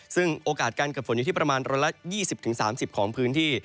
ซึ่งโอกาสการเกิดฝนอยู่ที่ประมาณ๑๒๐๓๐ของพื้นที่